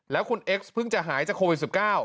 แล้วคุณเอ็กซ์เพิ่งจะหายจากโควิด๑๙